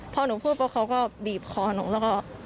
พอหนูพูดปุ๊บเขาก็บีบคอหนูแล้วก็